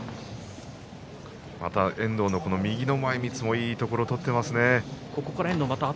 遠藤の右の前みつもいいところ、取っています。